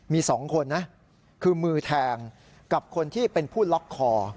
มี๒คนนะคือมือแทงกับคนที่เป็นผู้ล็อกคอ